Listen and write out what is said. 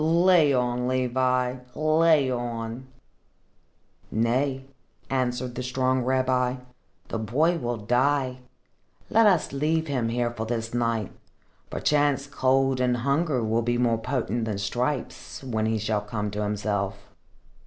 "Lay on, Levi, lay on!" "Nay," answered the strong rabbi, "the boy will die. Let us leave him here for this night. Perchance cold and hunger will be more potent than stripes, when he shall come to himself."